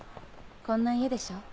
こんな家でしょ。